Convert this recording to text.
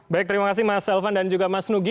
baik terima kasih mas elvan dan juga mas nugi